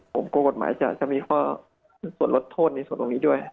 ผมกลัวกฎหมายจะมีข้อส่วนลดโทษในส่วนตรงนี้ด้วย